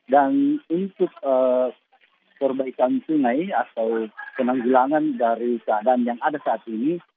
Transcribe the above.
dan untuk perbaikan sungai atau penanggulangan dari keadaan yang ada saat ini